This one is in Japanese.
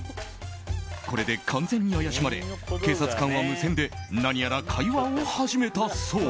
これで完全に怪しまれ警察官は無線で何やら会話を始めたそう。